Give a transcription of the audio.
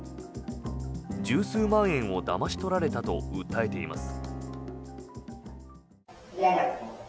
１０数万円をだまし取られたと訴えています。